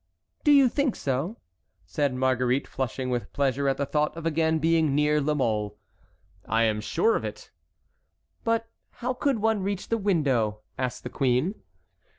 "Do you think so?" said Marguerite, flushing with pleasure at the thought of again being near La Mole. "I am sure of it." "But how could one reach the window?" asked the queen.